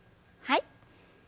はい。